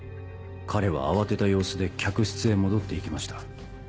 彼は慌てた様子で客室へ戻って行きました。